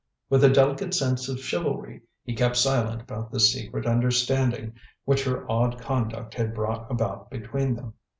With a delicate sense of chivalry, he kept silent about this secret understanding which her odd conduct had brought about between them.